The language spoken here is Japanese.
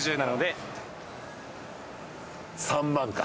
３万か？